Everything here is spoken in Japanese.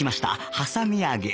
はさみ揚げ